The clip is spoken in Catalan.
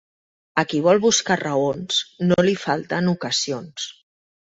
A qui vol buscar raons no li falten ocasions.